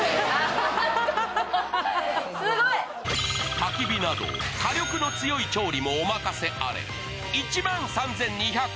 たき火など火力の強い調理もお任せあれ。